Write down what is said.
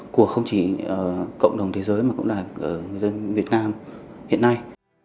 của không chỉ cộng đồng thế giới mà cũng là người dân việt nam hiện nay